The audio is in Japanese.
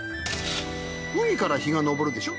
海から日が昇るでしょ？